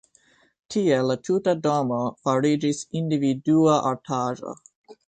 Tiel la tuta domo fariĝis individua artaĵo.